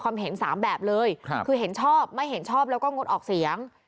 เห็น๓แบบเลยคือเห็นชอบไม่เห็นชอบแล้วก็งดออกเสียง